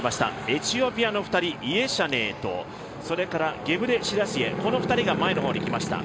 エチオピアの２人、イェシャネーと、それからゲブレシラシエこの２人が前の方に来ました。